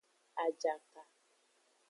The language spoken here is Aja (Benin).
Ajaka.